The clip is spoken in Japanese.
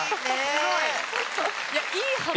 いやいい話。